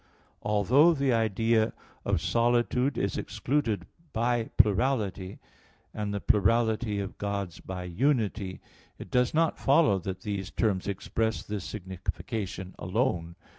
Although the idea of solitude is excluded by plurality, and the plurality of gods by unity, it does not follow that these terms express this signification alone.